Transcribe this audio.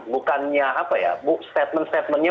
bukannya apa ya bu statement statementnya